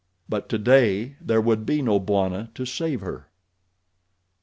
But today there would be no Bwana to save her.